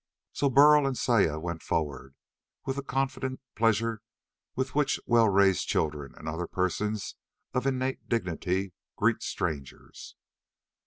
So Burl and Saya went forward, with the confident pleasure with which well raised children and other persons of innate dignity greet strangers.